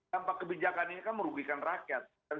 dampak kebijakan ini kan merugikan rakyat